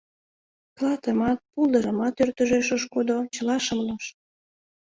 Клатымат, пулдырымат ӧрдыжеш ыш кодо — чыла шымлыш.